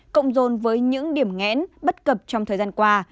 cộng dồn với những điểm ngẽn bất cập trong thời gian qua